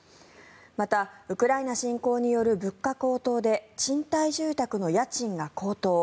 また、ウクライナ侵攻による物価高騰で賃貸住宅の家賃が高騰。